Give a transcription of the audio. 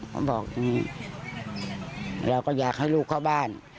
เขาบอกเราก็อยากให้ลูกเข้าบ้าน